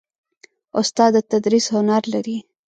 استاد د تدریس هنر لري.